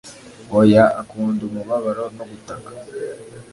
Oya akunda umubabaro no gutaka